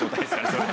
それ。